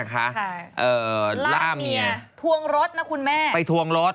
ข่าวว่ายิงกันอะไรกันนะ